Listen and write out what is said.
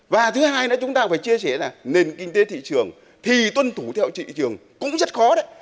và thứ hai nữa chúng ta phải chia sẻ là nền kinh tế thị trường thì tuân thủ theo thị trường cũng rất khó đấy